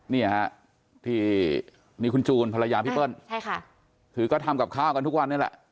นี่คุณจูนภรรยาพี่เปิ้ลถือก็ทำกับข้าวกันทุกวันนี้แหละ